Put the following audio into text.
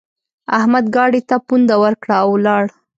احمد ګاډي ته پونده ورکړه؛ او ولاړ.